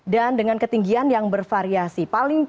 dan dengan ketinggian yang bervariasi